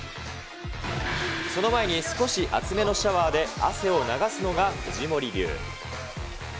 その前に少し熱めのシャワーで汗を流すのが藤森流。